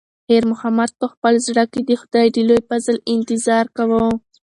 خیر محمد په خپل زړه کې د خدای د لوی فضل انتظار کاوه.